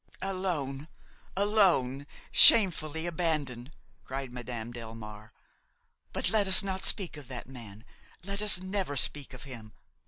"Alone, alone! shamefully abandoned!" cried Madame Delmare. "But let us not speak of that man, let us never speak of him.